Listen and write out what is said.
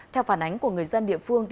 theo phản ánh của người dân địa phương